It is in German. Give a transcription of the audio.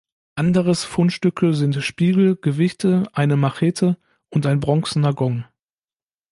Anderes Fundstücke sind Spiegel, Gewichte, eine Machete und ein bronzener Gong.